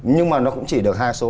nhưng mà nó cũng chỉ được hai số